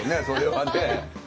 それはね。